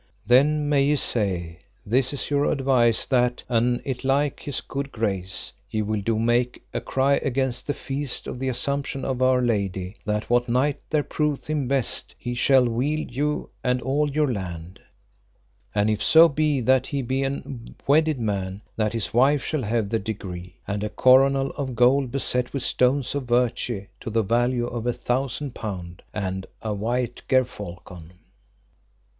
Then may ye say, this is your advice that, an it like his good grace, ye will do make a cry against the feast of the Assumption of our Lady, that what knight there proveth him best he shall wield you and all your land. And if so be that he be a wedded man, that his wife shall have the degree, and a coronal of gold beset with stones of virtue to the value of a thousand pound, and a white gerfalcon.